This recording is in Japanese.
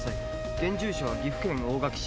現住所は岐阜県大垣市。